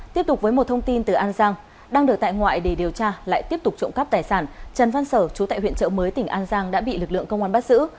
tiếp tục với một thông tin từ an giang đang được tại ngoại để điều tra lại tiếp tục trộm cắp tài sản trần văn sở chú tại huyện trợ mới tỉnh an giang đã bị lực lượng công an bắt giữ